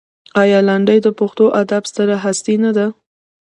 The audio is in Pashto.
آیا لنډۍ د پښتو ادب ستره هستي نه ده؟